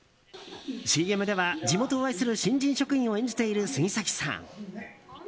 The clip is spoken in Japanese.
ＣＭでは地元を愛する新人職員を演じている杉咲さん。